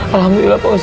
alhamdulillah pak ustadz